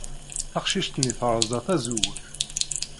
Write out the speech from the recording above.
Taqcict-nni terẓa tazewwut.